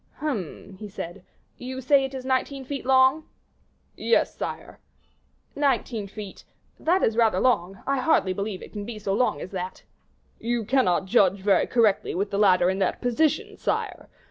"Hum!" he said; "you say it is nineteen feet long?" "Yes, sire." "Nineteen feet that is rather long; I hardly believe it can be so long as that." "You cannot judge very correctly with the ladder in that position, sire.